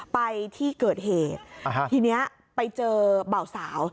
ไปที่เกิดเหตุทีนี้ไปเจอเบาสาว